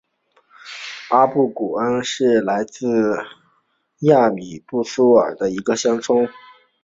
阿布古来恩是位于利比亚北部苏尔特省境内的一个乡村。